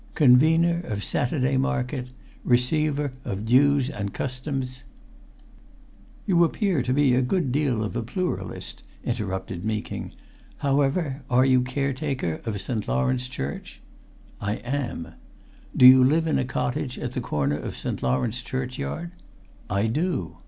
Convener of Saturday Market. Receiver of Dues and Customs " "You appear to be a good deal of a pluralist," interrupted Meeking. "However, are you caretaker of St. Lawrence church?" "I am!" "Do you live in a cottage at the corner of St. Lawrence churchyard?" "I do!"